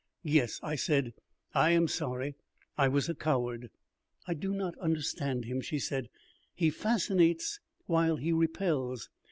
"Yes," I said, "I am sorry. I was a coward." "I do not understand him," she said. "He fascinates while he repels.